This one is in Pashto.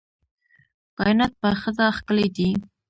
کائنات په ښځه ښکلي دي